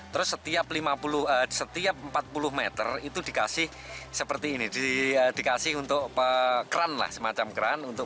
terus setiap empat puluh meter itu dikasih seperti ini dikasih untuk kran lah semacam kran untuk